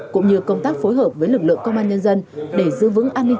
cũng như công tác phối hợp với lực lượng công an nhân dân để giữ vững an ninh